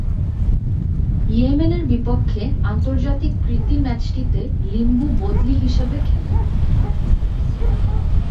Yemen এর বিপক্ষে আন্তর্জাতিক প্রীতি ম্যাচটিতে লিম্বু বদলি হিসেবে খেলেন।